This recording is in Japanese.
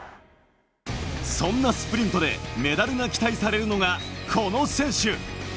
そんなスプリントでメダルが期待されるのがこの選手。